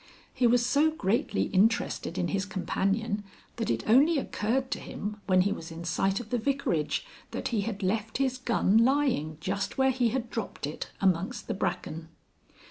He was so greatly interested in his companion that it only occurred to him when he was in sight of the Vicarage that he had left his gun lying just where he had dropped it amongst the bracken.